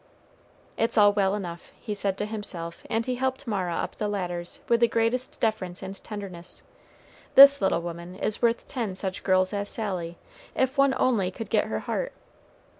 "It's all well enough," he said to himself, and he helped Mara up the ladders with the greatest deference and tenderness. "This little woman is worth ten such girls as Sally, if one only could get her heart.